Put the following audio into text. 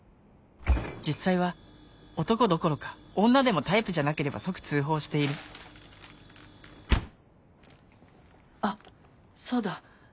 実際は男どころか女でもタイプじゃなければ即通報しているあっそうだ。